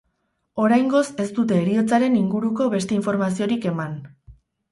Oraingoz ez dute heriotzaren inguruko beste informaziorik eman.